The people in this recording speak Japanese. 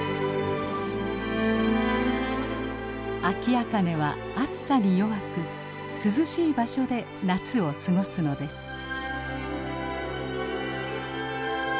アキアカネは暑さに弱く涼しい場所で夏を過ごすのです。